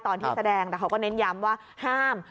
ตอนที่แสดงแต่เขาก็เน้นย้ำว่าห้าม